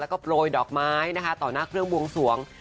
แล้วก็โปรยดอกไม้นะคะต่อหน้าเครื่องบวงสวง